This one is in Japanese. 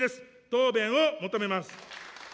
答弁を求めます。